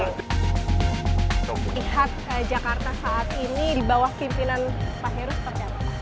lihat jakarta saat ini di bawah pimpinan pak heru seperti apa